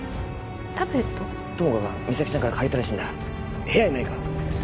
友果が実咲ちゃんから借りたらしいんだ部屋にないか？